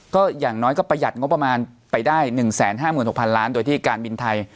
ก็อย่างน้อยก็ประหยัดงบประมาณไปได้๑๕๖๐๐ล้านโดยที่การบินไทย